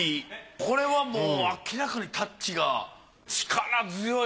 これはもう明らかにタッチが力強い。